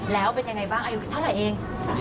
แล้วเป็นยังไงบ้างอายุเท่าไหร่เอง